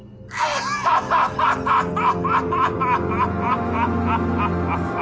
ハハハハ！